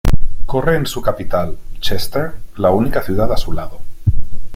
Corre en su capital, Chester, la única ciudad a su lado.